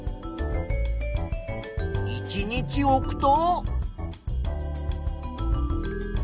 １日おくと。